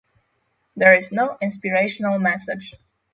There is no inspirational message.